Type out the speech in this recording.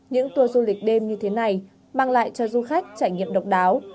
những tour du lịch đêm như thế này mang lại cho du khách trải nghiệm độc đáo